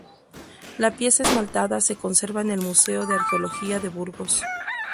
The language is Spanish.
La pieza esmaltada se conserva en el Museo de Arqueología de Burgos.